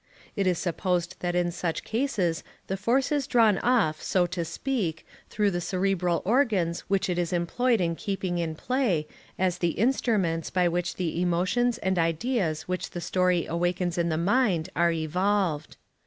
It is supposed that in such cases the force is drawn off, so to speak, through the cerebral organs which it is employed in keeping in play, as the instruments by which the emotions and ideas which the story awakens in the mind are evolved.